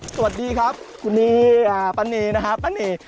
สวัสดีครับคุณนีป้านีนะครับป้านี